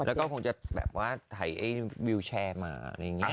แล้วก็คงจะแบบว่าถ่ายวิวแชร์มา